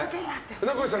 船越さん